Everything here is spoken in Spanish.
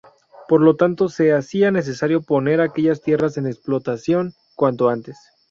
Por lo tanto, se hacía necesario poner aquellas tierras en explotación cuanto antes.